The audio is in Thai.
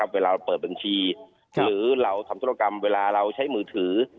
เวลาเราเปิดบัญชีหรือเราทำธุรกรรมเวลาเราใช้มือถือ